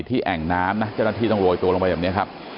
แอ่งน้ำนะเจ้าหน้าที่ต้องโรยตัวลงไปแบบนี้ครับ